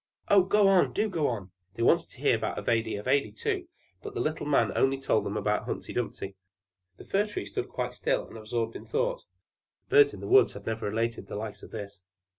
"Oh, go on! Do go on!" They wanted to hear about Ivedy Avedy too, but the little man only told them about Humpy Dumpy. The Fir Tree stood quite still and absorbed in thought; the birds in the wood had never related the like of this.